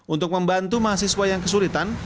untuk membantu mahasiswa yang kesulitan